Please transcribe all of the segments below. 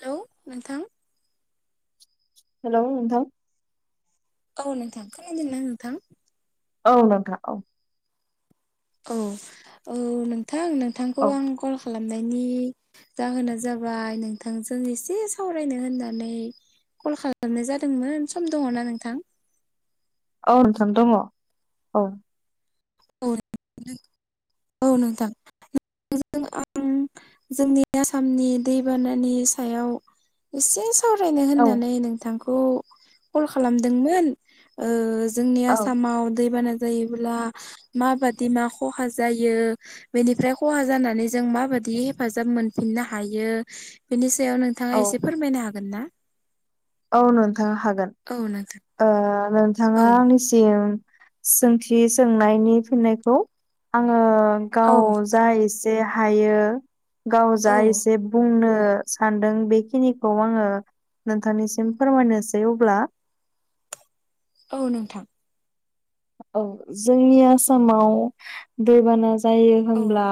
Hello नोंथां hello नोंथां औ नोंथां खोनादोंना नोंथां? औ नोंथा औ औ औ नोंथां नोंथांखौ औ आं कल खालाम हरनायनि जाहोना जाबाय नोंथांजों एसे सावरायनो होननानै कल खालामनाय जादोंमोन सम दङना नोंथां? औ नोंथां दङ औ औ औ नोंथां आं जोंनि आसामनि दैबानानि सायाव एसे सावरायनो औ होननानै नोंथांखौ कल खालामदोंमोन जोंनि औ आसामाव दैबाना जायोब्ला माबादि मा खहा जायो बेनिफ्राय खहा जानानै जों माबादि हेफाजाब मोनफिननो हायो बेनि सायाव नों नोंथाङा एसे फोरमायनो हागोन ना? औ नोंथां हागोन। औ नोंथां। नोंथाङा औ आंनि सोंथि सोंनायनि फिननायखौ आङो औ गाव जा एसे हायो गाव औ जा एसे बुंनो सानदों बेखिनिखौ आङो नोंथांनिसिम फोरमायनोसै अब्ला औ नोंथां औ जोंनि आसामाव दैबाना जायो औ होनब्ला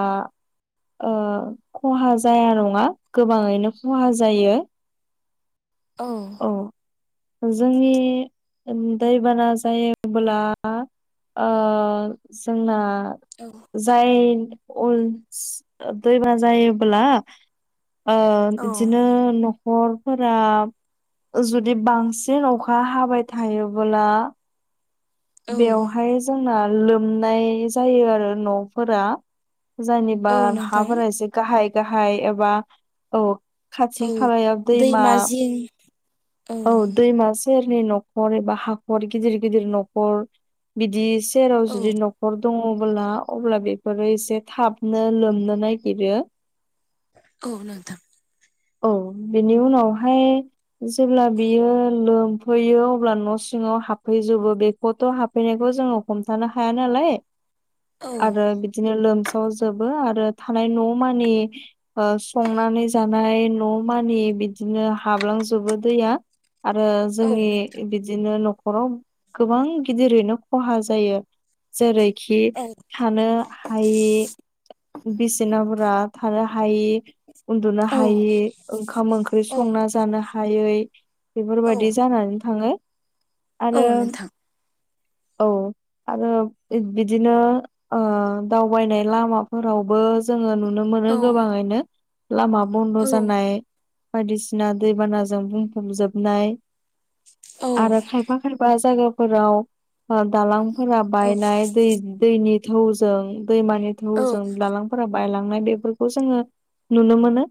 खहा जाया नङा गोबाङैनो खहा जायो औ जोंनि दैबाना जायोब्ला जोंना औ जायो उन दैमा जायोब्ला बिदिनो न'खरफोरा जुदि बांसिन अखा हाबाय थायोला औ बेवहाय जोंना लोमनाय जायो आरो न'फोरा जनिबा औ नोंथां हाफोरा एसे गाहाय गाहाय एबा औ खाथि औ खालायाव दैमा औ दैमा सेरनै न'खर एबा हाखर गिदिर गिदिर न'खर बिदि सेराव औ जुदि न' नखर दङबोब्ला अब्ला बेफोरो एसे थाबनो लोमनो नागिरो औ नथां औ बेनि उनावहाय जेब्ला बियो लोमफैयो अब्ला न' सिङाव हाबफैजोबो बेखौथ' बेखौ जोङो हमथानो हाया नालाय [inaudible] आरो बिदिनो लोमसाव जोबो आरो थानाय न' मानि संनानै जानाय न' मानि बिदिनो हाबलांजोबो दैया आरो औ जोंनि बिदि बिदिनो न'खराव गोबां गिदिरैनो खहा जायो जेरैखि औ थानो हायि बिसिनाफोरा थानो हायि उन्दुनो औ हायि ओंखाम ओंख्रि औ संना जानो हायो औ बेफोरबायदि जानानै थाङो औ आरो [inaudible] औ आरो बिदिनो दावबायनाय लामाफोरावबो जोङो नु नुनोमोन औ गोबाङैनो लामा बन्द औ जानाय बायदिसिना दैबाना जान बुंफब जोबनाय औ आरो खायफा खायफा जायगा फोराव दालांफोरा औ बायनाय दै दैनि थौजों दैमानि औ थौजों दालांफोरा बायलांनाय बेफोरखौ जोङो नुनो मोनो।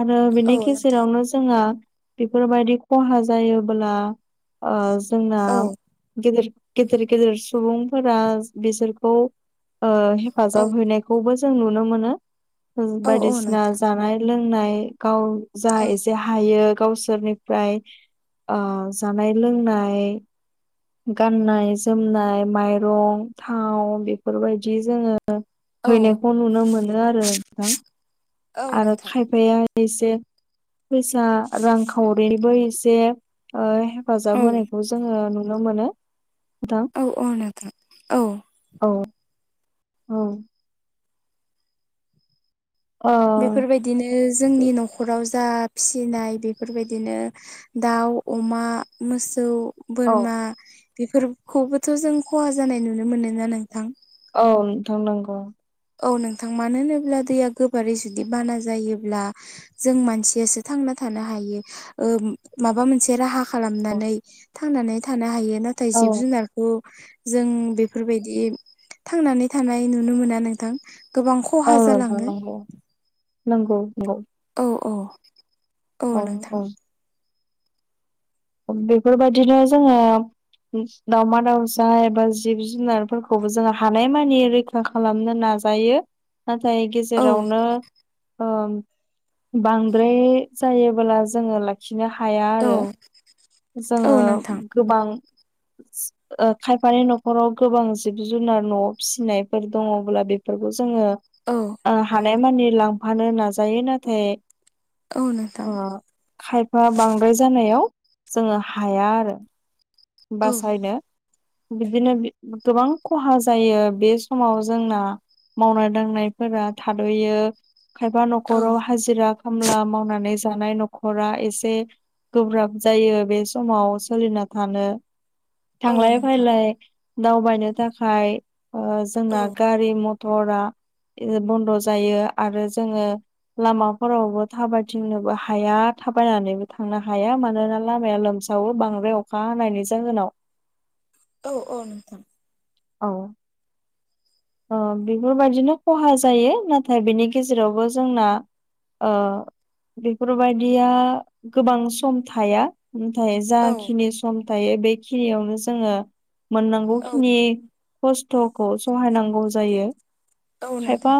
आरो औ बिनि नोंथां गेजेरावनो जोङो बेफोरबायदि खहा जायोब्ला जोंना औ गेद- गेदेर गेदेर सुबुंफोरा बिसोरखौ औ हेफाजाब हैनायखौबो जों नुनो मोनो औ औ बायदिसिना नोंथां जानाय लोंनाय गाव जा औ एसे हायो गावसोरनिफ्राय जानाय लोंनाय गाननाय जोमनाय माइरं थाव बेफोरबायदि जोङो औ फनायखौ नुनो मोनो आरो नोंथां औ आरो नोंथां खायफाया एसे फैसा रांखावरिबो एसे हेफाजाब औ होनायखौ जोङो नुनो मोनो नोंथां औ औ नोंथां औ औ औ ओ बेफोरबायदिनो जोंनि न'खराव जा फिसिनाय बेफोरबायदिनो दाउ अमा मोसौ औ बोरमा बेफोरखौबोथ' जों खहा जानाय नुनो मोनोना नोंथां औ नोंथां नांगौ औ नोंथां मानो होनोब्ला दैया गोबारै जुदि बाना जायोब्ला जों मानसियासो थांना थानो हायो माबा मोनसे राहा औ खालामनानै थांनानै थानो हायो नाथाय जिब जुनार जों बेफोरबायदि थांनानै थानाय नुनो मोना नोंथां गोबां औ खहा नोंथां जालाङो नंगौ नंगौ नंगौ औ औ अ औ बेफोरबायदिनो जोङो दाावमा दाउसा एबा जिब जुनारफोरखौबो जोङो हानायमानि फा खालामनो नाजायो नाथाय औ गेजेरावनो बांद्राय जायोबोला जोङो लाखिनो हाया औ आरो औ जोङो नोंथां गोबां खायफानि न'खराव गोबां जिब जुनार न'आव फिसिनायफोर दङब्ला बे बेफोरखौ जोङो औ हानायमानि लांफानो नाजायो नाथाय औ नोंथां खायफा बांद्राय जानायाव जोङो हाया आरो। औ बासायनो बिदिनो गोबां खहा जायो बे समाव जोंना मावनाय दांनायफोरा थाद'यो खायबा औ न'खराव हाजिरा खामला मावनानै जानाय न नखरा एसे गोब्राब जायो बे समाव सोलिना थानो औ थांलाय नोंथां फैलाय दावबायनो थाखाय औ जोंना गारि मर क्टरा बन्द' जायो आरो जोङो लामाफोरावबो थाबायथिंनोबो हाया थाबायनानैबो थांनो हाया मानोना लामाया लोमसा सावो बांद्राय अखा हानायनि जाहोनाव औ औ नोंथां औ बेफोरबायदिनो खहा जायो नाथाय बेनि गेजेरावबो जोंना बेफोरबायदिया गोबां सम थाया नाथाय औ जाखिनि सम थायो बेखिनियावनो जोङो मोननांगौ औ खिनि खस्थ'खौ सहायनांगौ जायो औ खायफा नोंथां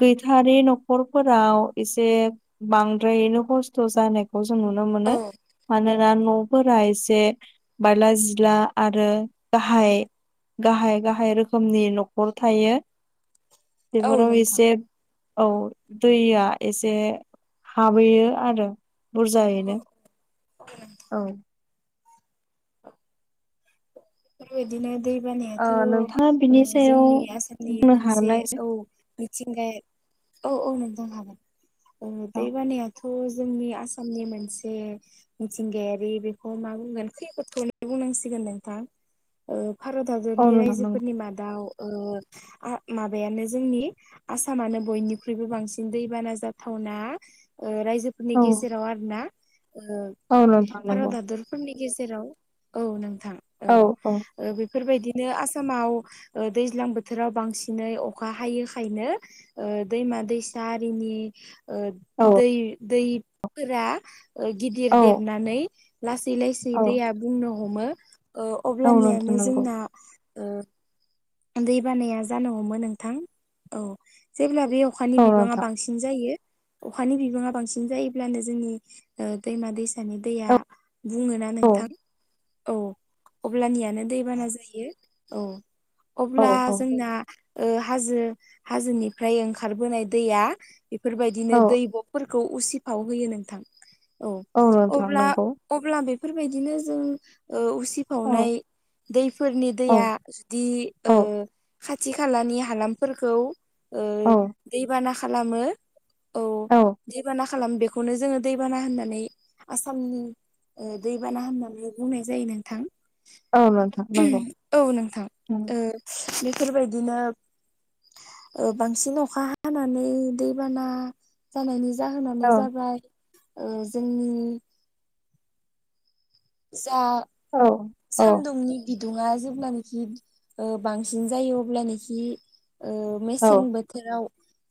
गैथारि न'खरफोराव एसे बांद्रायैनो खस्थ' जानाय खौ जों नुनो औ मोनो। मानोना न'फोरा एसे बायला जिला आरो गाहाय गाहाय-गाहाय रोखोमनि न'खर थायो औ बेफोराव नोंथां एसे औ दैया एसे हाबहैयो आरो बुरजायैनो औ बेबायदिनो दै ओ बानायाथ' नोंथाङा ओ बिनि सायाव जोंनि आसामनि बुंनो मोनसे हागोनना एसे औ मिथिंगा औ-औ नोंथां हागोन औ दै बानायथ' खौ जोंनि आसामनि मोनसे मिथिंगायारि बेखौ मा बुंगोन खैफोद खौनो'नो बुंनांसिगोन नोंथां ओ भारत औ हादरनि नोंथां नंगौ रायजोफोरनि मादाव ओ आ माबायानो जोंनि आसामानो बयनिख्रुइबो बांसिन दैबाना जाथावना ओ रायजोफोरनि औ गेजेराव आरो ना औ नोंथां भारत नंगौ हादर फोरनि गेजेराव औ नोंथां। औ औ ओ बेफोरबायदिनो आसामाव ओ दैज्लां बोथोराव बांसिनै अखा हायोखायनो ओ दैमा-दैसा आरिनि ओ औ दै दैफोरा ओ गिदिर औ देरनानै लासै-लासै औ दैया बुंनो हमो ओ औ नोंथां अब्लानियानो नंगौ जोंना दै बानाया जानो हमो नोंथां औ जेब्ला बे अखानि औ बिबाङा नोंथां बांसिन जायो अखानि बिबाङा बांसिन जायोब्लानो जोंनि ओ दैमा दैसानि दैया औ बुङो ना औ नोंथां औ। अब्लानियानो दैबाना जायो औ। औ अब्ला जोंना ओ हाजो हाजोनिफ्राय ओंखारबोनाय दैया बेफोरबायदिनो औ दैब'फोरखौ उसिफाव होयो नोंथां औ नोंथां अब्ला नंगौ अब्ला बेफोरबायदिनो जों ओ औ उसिफावनाय दैफोरनि औ दैया दि ओ औ खाथि खालानि हालामफोरखौ ओ औ दैबाना खालामो औ दैबाना खालामो बेखौनो जोङो दैबाना होननानै आसामनि ओ दैबाना होननानै बुंनाय जायो नोंथां औ नोंथां नंगौ औ नोंथां। औ ओ बेफोरबायदिनो ओ बांसिन अखा हानानै दैबाना जानायनि जाहोनानो जाबाय ओ जोंनि जा औ औ सान्दुंनि बिदुङा जेब्लानोखि ओ बांसिन जायो अब्लानोखि ओ मेसें बोथोराव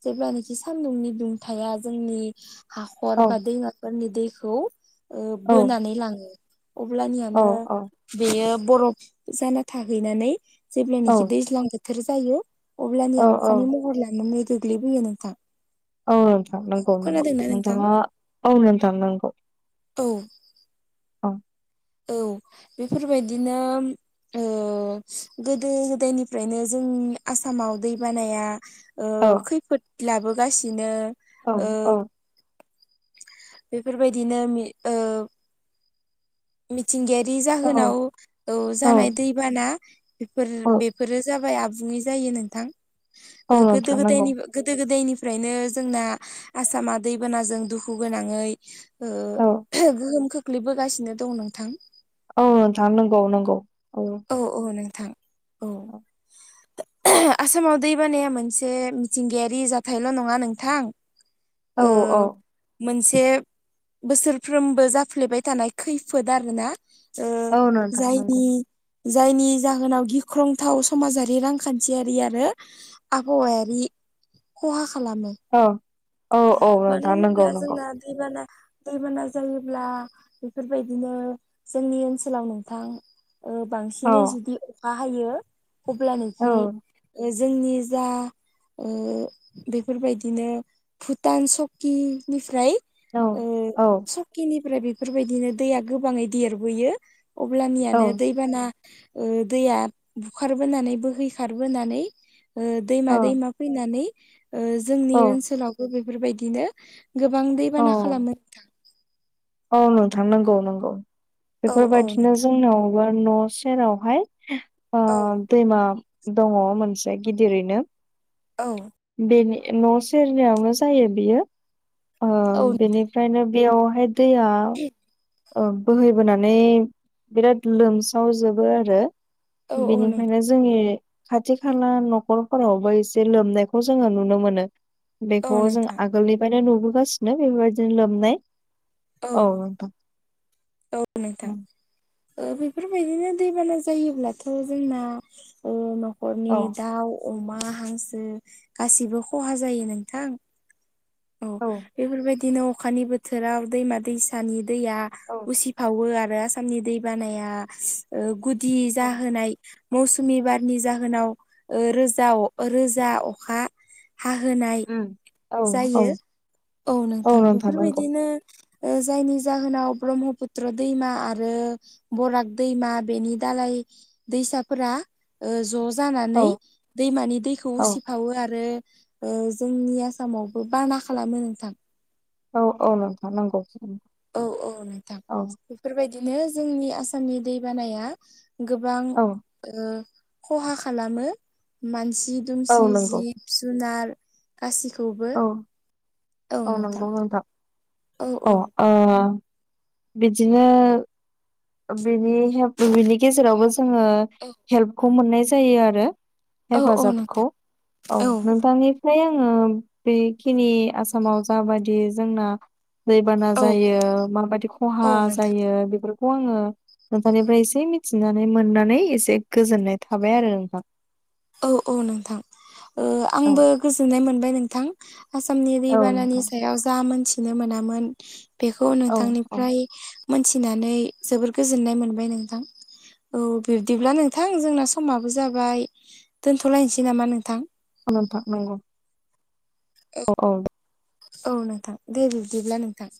जेब्लानाखि सानदुंनि दुंथाया जोंनि हाखर औ औ बा दैमाफोरनि दैखौ ओ बोनानै लाङो। अब्लानियानो औ बेयो बरफ जाना थाहैनानै जेब्लानोखि दैज्लां बोथोर जायो औ औ अब्लानिया औ अखानि महर लानानै गोग्लैबोयो नोंथां। औ नोंथां नंगौ-नंगौ खोनादोंना नोंथां नोंथाङा औ नोंथां नंगौ। औ औ औ बेफोरबायदिनो ओ गोदो-गोदायनिफ्रायनो जोंनि आसामाव दैबानाया ओ औ खैफोद लाबोगासिनो औ ओ औ बेफोरबायदिनो मि ओ मिथिंगायारि औ जाहोनाव औ जानाय दैबाना औ बेफोर-बेफोरो जाबाय आबुङै जायो नोंथां औ ओ नोंथां नंगौ गोदो-गोदायनि गोदो-गोदायनिफ्रायनो जोंना आसामा दैबानाजों दुखु गोनाङै ओ औ गोहोम खोख्लैबोगासिनो दं नोंथां। औ थां नंगौ नंगौ औ औ औ नोंथां औ। आसामाव दैबानाया मोनसे मिथिंगायारि जाथायल' नङा नोंथां ओ औ औ मोनसे बोसोरफ्रोमबो जाफ्लेबाय थानाय खैफोद आर ना ओ औ नोंथां नंगौ जायनि जायनि जाहोनाव गिख्रंथाव समाजारि रांखान्थियारि आरो आबहावायारि खहा खालामो औ औ औ मानो नोंथां नंगौ होनोब्ला नंगौ जोंना दैबाना दैबाना जायोब्ला बेफोरबायदिनो जोंनि ओनसोलाव नोंथां ओ औ बांसिनै जुदि अखा हायो औ अब्लानोखि जोंनि जा ओ बेफोरबायदिनो भुटान सकिनिफ्राय औ ओ औ सकिनिफ्राय बेफोरबायदिनो दैया गोबाङै देरबोयो औ अब्लानियानो दैबाना ओ दैया बुखारबोनानै बोहैखारबोनानै दैमा दैमा फैनानै जोंनि ओनसोलावबो बेफोरबायदिनो गोबां औ दैबाना खालामो औ नोंथां नंगौ नंगौ औ औ बेफोरबायदिनो नोंथां जोंनाव न' सेरावहाय ओ औ दैमा दङ मोनसे गिदिरैनो औ बेनि न' सेरनायावनो जायो बियो औ नोंथां बेनि ओफ्रायायनो बेयावहाय दैया बोहैबोनानै बिराद लोमसावजोबो आरो औ औ नोंथां। बेनिफ्रायनो जोंनि खाथि खाला न'खरफोरावबो एसे लोमनायखौ जोङो नुनो मोनो औ बेखौ जों नोंथां आगोलनि ओायनो नुबोगासिनो बेबायदिनो लोमनाय औ औथां औ नोंथां बेफोरबायदिनो दैबाना जायोब्लाथ' जोंना न'खरनि दाउ अमा हांसो गासिबो खहा जायो नोंथां औ बेफोरबायदिनो अखानि बोथोराव दैमा दैसानि दैया औ उसि बावो आरो आसामनि दैबानाया गुदि जाहोनाय मौसुमि बारनि जाहोनाव रोजा रोजा अखा हाहोनाय उ जायो औ नोंथां बेफोरबायदिनो जायनि जाहोनाव ब्रह्मपुत्र दैमा आरो बराग दैमा बेनि दालाय दैसाफोरा ज' औ जानानै दैमानि दैखौ औ उसि खावो आरो जोंनि आसामावबो बाना खालामो नोंथां औ औ नोंथां नांगौ औ औ नोंथां बेफोरबायदिनो जोंनि आसामनि दैबानाया गोबां औ खहा खालामो मानसि दुमसि औ नंगौ जि जिब जुनार गासिखौबो औ औ नुदां नंगौ नोंथां अ बिदिनो बिनि्प बिनि गेजेरावबो जोङो हेल्पखौ मोननाय जायो आरो औ औ हेफाजाबखौ नोंथां औ नोंथांनिफ्राय आङो बेखिनि आसामाव जाबायदि जोंना दैबाना औ जायो माबायदि खहा औ नोंथां जायो बेफोर खौ आङो नोंथांनिफ्राय एसे मिथिनानै मोननानै एसे गोजोननाय थाबाय आरो नोंथां औ औ नोंथां ओ औ आंबो गोजोननाय मोनबाय नोंथां आसामनि औ दैबानानि नोंथां सायाव जा मोनथिनो मोनामोन बेखौ औ औ नोंथांनिफ्राय मोनथिनानै जोबोर गोजोननाय मोनबाय नोंथां औ बिब्दिब्ला नोंथां जोंना समाबो जाबाय दोनथ'लायसै नामा नोंथां? औ नोंथां नंगौ औ औ नोंथां दे बिब्दिब्ला नोंथां